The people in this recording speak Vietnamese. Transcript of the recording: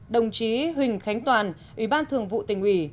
đồng chí huỳnh khánh toàn ubnd tỉnh ủy